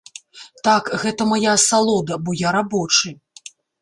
Так, гэта мая асалода, бо я рабочы.